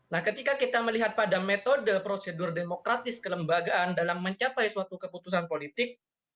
nah ketika kita melihat pada metode prosedur demokratis kelembagaan dalam mencapai suatu keputusan politik